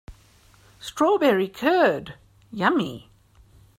Strawberry curd, yummy!